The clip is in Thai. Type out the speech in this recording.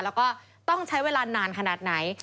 แล้วก็ต้องใช้เวลานานขนาดไหน